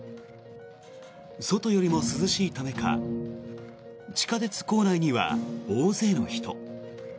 外よりも涼しいためか地下鉄構内には大勢の人。